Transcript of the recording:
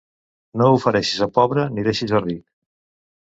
No ofereixis a pobre, ni deixis a ric.